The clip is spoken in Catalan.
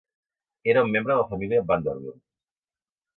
Era un membre de la família Vanderbilt.